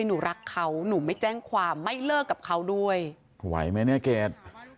หนูรักเขาหนูไม่แจ้งความไม่เลิกกับเขาด้วยไหวไหมเนี่ยเกด